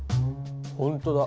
ほんとだ。